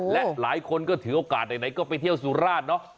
และหลายคนก็ถือโอกาสไหนก็ไปเที่ยวสุราชเนอะ